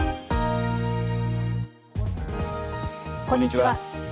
こんにちは。